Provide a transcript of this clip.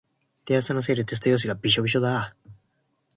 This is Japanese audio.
手汗のせいでテスト用紙がびしょびしょだ。